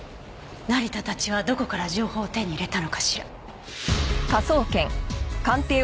成田たちはどこから情報を手に入れたのかしら？